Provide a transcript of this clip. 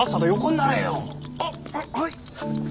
あっはい！